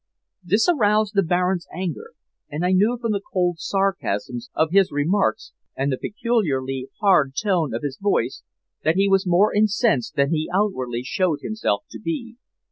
This aroused the Baron's anger, and I knew from the cold sarcasm of his remarks, and the peculiarly hard tone of his voice, that he was more incensed than he outwardly showed himself to be.